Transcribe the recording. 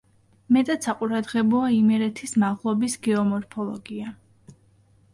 მეტად საყურადღებოა იმერეთის მაღლობის გეომორფოლოგია.